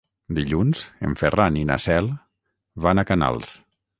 Dilluns en Ferran i na Cel van a Canals.